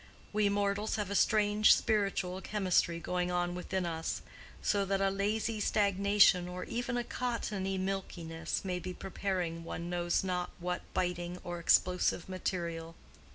We mortals have a strange spiritual chemistry going on within us, so that a lazy stagnation or even a cottony milkiness may be preparing one knows not what biting or explosive material.